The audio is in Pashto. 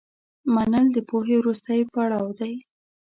منل د پوهې وروستی پړاو دی.